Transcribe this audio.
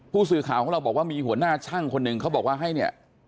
ผู้สื่อข่าวของเราบอกว่ามีหัวหน้าช่างคนหนึ่งเขาบอกว่าให้เนี่ย